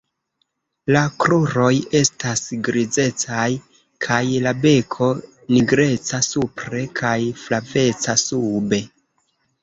La kruroj estas grizecaj kaj la beko nigreca supre kaj flaveca sube.